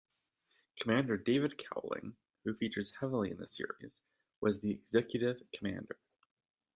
Commander David Cowling, who features heavily in the series, was the executive commander.